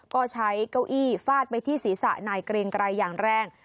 ก็ใช้เก้าอี้ฟาดไปที่ศีรษะนายเกรงไกรอย่างแรง